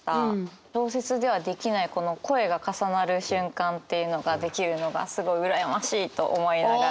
小説ではできないこの声が重なる瞬間っていうのができるのがすごい羨ましいと思いながら。